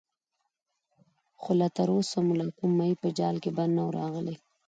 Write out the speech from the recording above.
خو تر اوسه مو لا کوم ماهی په جال کې بند نه وو راغلی.